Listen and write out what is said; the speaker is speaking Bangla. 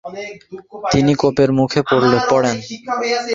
তিনি কোপের মুখে পড়েন।